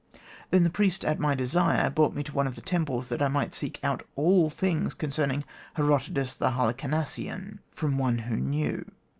Then the priest, at my desire, brought me to one of the temples, that I might seek out all things concerning Herodotus the Halicarnassian, from one who knew.